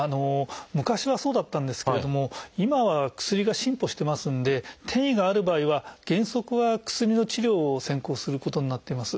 昔はそうだったんですけれども今は薬が進歩してますんで転移がある場合は原則は薬の治療を先行することになってます。